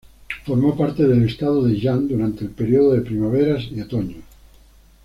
Formó parte del estado de Yan durante el periodo de Primaveras y Otoños.